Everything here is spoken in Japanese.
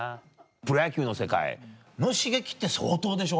プロ野球の世界の刺激って相当でしょ？